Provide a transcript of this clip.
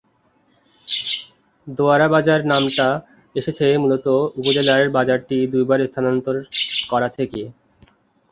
দোয়ারাবাজার নামটা এসেছে মূলত উপজেলার বাজারটি দুইবার স্থানান্তর করা থেকে।